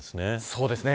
そうですね。